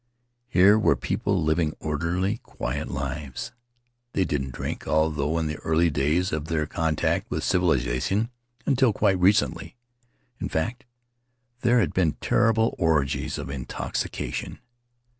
Here were people living orderly, quiet lives. They didn't drink, although in the early days of their contact with civilization — until quite recently, in fact — there had been terrible orgies of intoxication.